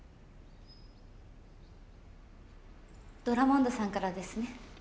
ドラモンドさんからですね。